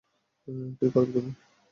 কি করবে তুমি?